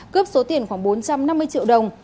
cướp số tiền khoảng bốn trăm năm mươi triệu đồng